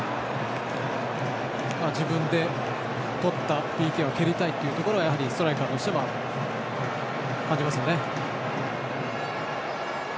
自分でとったＰＫは蹴りたいというところはストライカーとしてはありますね。